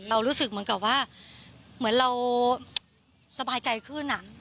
รู้สึกเหมือนกับว่าเหมือนเราสบายใจขึ้น